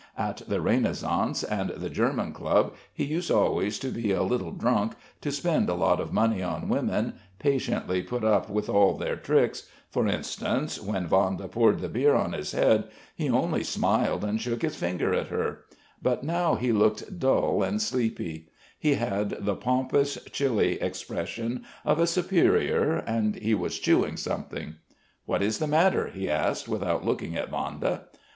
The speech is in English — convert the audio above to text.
At the Renaissance and the German club he used always to be a little drunk, to spend a lot of money on women, patiently put up with all their tricks for instance, when Vanda poured the beer on his head, he only smiled and shook his finger at her but now he looked dull and sleepy; he had the pompous, chilly expression of a superior, and he was chewing something. "What is the matter?" he asked, without looking at Vanda.